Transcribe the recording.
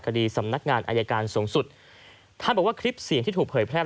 คดีสำนักงานอายการสูงสุดท่านบอกว่าคลิปเสียงที่ถูกเผยแพร่